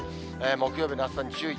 木曜日の暑さに注意。